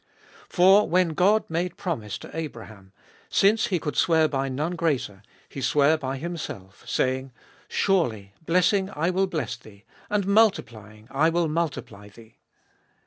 For when God made promise to Abraham, since He could swear by none greater, He sware by Himself, saying, Surely blessing I will bless thee, and multiplying I will multiply thee.